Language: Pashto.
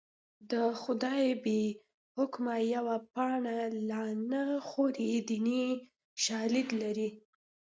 د خدای بې حکمه یوه پاڼه لا نه خوري دیني شالید لري